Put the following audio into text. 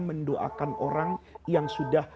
mendoakan orang yang sudah